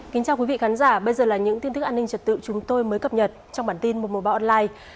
xin chào quý vị khán giả bây giờ là những tin tức an ninh trật tự chúng tôi mới cập nhật trong bản tin một bộ online